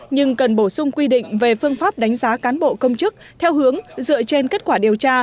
nhưng cần bổ sung quy định về phương pháp đánh giá cán bộ công chức theo hướng dựa trên kết quả điều tra